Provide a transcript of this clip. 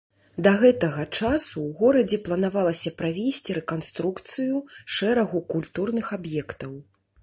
Да гэтага часу ў горадзе планавалася правесці рэканструкцыю шэрагу культурных аб'ектаў.